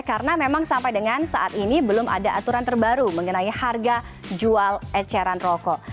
karena memang sampai dengan saat ini belum ada aturan terbaru mengenai harga jual eceran rokok